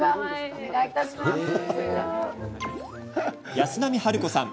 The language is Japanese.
安波治子さん。